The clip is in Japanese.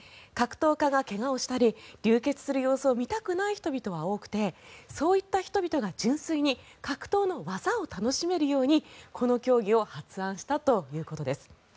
格闘家が怪我をしたり流血する様子を見たくない人々は多くてそういった人々が純粋に格闘の技を楽しめるようにこの競技を発案したということです。